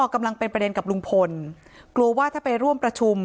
กำลังเป็นประเด็นกับลุงพลกลัวว่าถ้าไปร่วมประชุม